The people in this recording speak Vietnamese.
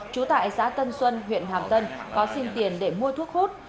trú tại xã tân xuân huyện hàm tân có xin tiền để mua thuốc hút